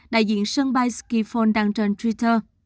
đại diện sân bay skifone đang trên twitter